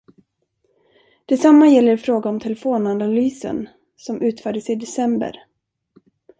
Detsamma gäller i fråga om telefonanalysen, som utfördes i december.